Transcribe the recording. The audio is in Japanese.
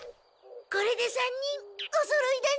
これで３人おそろいだね！